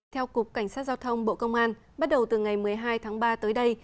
theo cục cảnh sát giao thông bộ công an bắt đầu từ ngày một mươi hai tháng ba tới đây